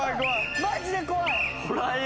マジで怖い！